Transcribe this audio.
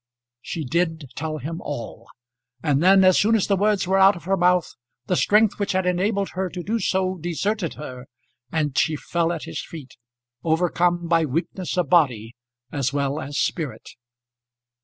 She did tell him all; and then, as soon as the words were out of her mouth, the strength which had enabled her to do so deserted her, and she fell at his feet overcome by weakness of body as well as spirit.